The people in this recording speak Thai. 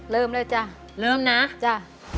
เริ่มแล้วจ่ะเริ่มนะจ่ะ